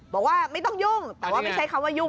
บอกว่าไม่ต้องยุ่งแต่ว่าไม่ใช่คำว่ายุ่ง